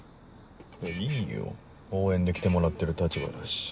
えっいいよ応援で来てもらってる立場だし。